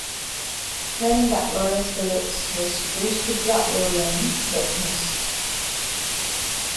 Running back Lawrence Phillips was supposed to block Williams, but missed.